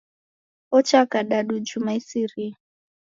Ocha kadadu juma isirie.